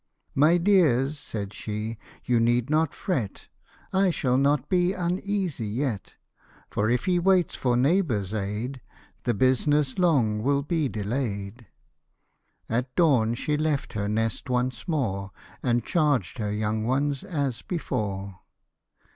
D 5 58 " My dears," said she, " you need not fret ; I shall not be uneasy yet ; For if he waits for neighbours' aid, The business long will be delay 'd." At dawn she left her nest once more, And charged her young ones as before.